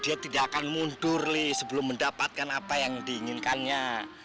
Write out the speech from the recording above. dia tidak akan mundur sebelum mendapatkan apa yang diinginkannya